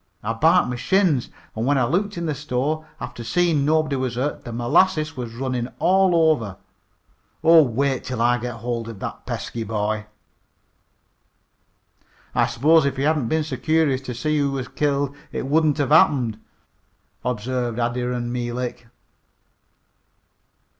I barked my shins, an' when I looked in the store, after seein' nobody was hurt, the molasses was runnin' all over. Oh, wait till I git hold of that pesky boy!" "I s'pose if you hadn't been so curious to see who was killed it wouldn't have happened," observed Adiran Meelik.